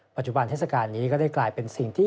ปัจจุบันเทศกาลนี้ก็ได้กลายเป็นสิ่งที่